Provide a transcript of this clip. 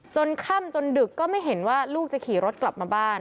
จนค่ำจนดึกก็ไม่เห็นว่าลูกจะขี่รถกลับมาบ้าน